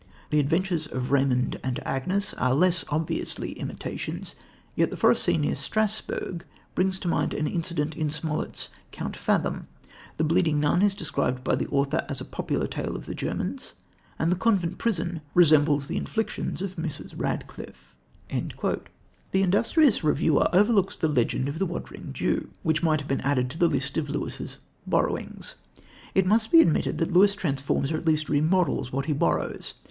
The adventures of Raymond and Agnes are less obviously imitations, yet the forest scene near Strasburg brings to mind an incident in Smollett's Count Fathom; the bleeding nun is described by the author as a popular tale of the Germans, and the convent prison resembles the inflictions of Mrs. Radcliffe." The industrious reviewer overlooks the legend of the Wandering Jew, which might have been added to the list of Lewis's "borrowings." It must be admitted that Lewis transforms, or at least remodels, what he borrows.